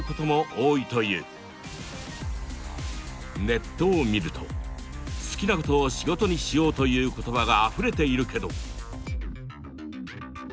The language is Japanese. ネットを見ると好きなことを仕事にしようという言葉があふれているけど。